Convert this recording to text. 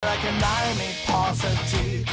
อะไรแค่ไหนไม่พอสักที